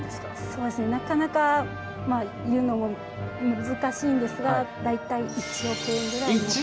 そうですねなかなか言うのも難しいんですが大体１億！？